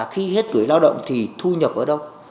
khi hết tuổi lao động thì thu nhập ở đâu